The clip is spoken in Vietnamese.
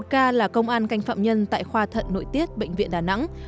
một ca là công an canh phạm nhân tại khoa thận nội tiết bệnh viện đà nẵng